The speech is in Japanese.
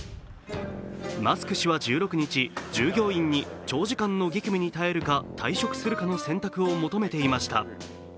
マスク氏は１６日、従業員に、長時間の激務に耐えるか退職するかの選択を求めていました。